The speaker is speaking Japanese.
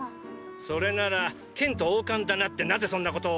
それなら剣と王冠だなってなぜそんなことを？